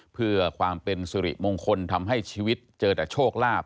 เพื่อความเป็นสุริมงคลทำให้ชีวิตเจอแต่โชคลาภ